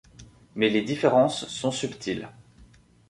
Mais les différences sont subtiles.